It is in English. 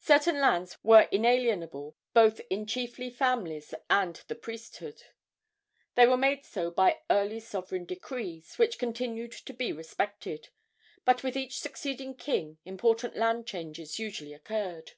Certain lands were inalienable both in chiefly families and the priesthood; they were made so by early sovereign decrees, which continued to be respected; but with each succeeding king important land changes usually occurred.